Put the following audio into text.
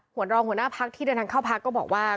หัวหน้ารองหัวหน้าพักที่เดินทางเข้าพักก็บอกว่า